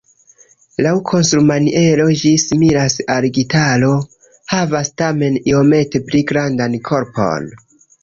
Laŭ konstrumaniero ĝi similas al gitaro, havas tamen iomete pli grandan korpon.